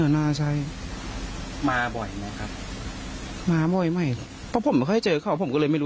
มาบ่อยไม่ค่ะมาบ่อยไม่ต่อผมก็ค่อยเจอเขาผมก็เลยไม่รู้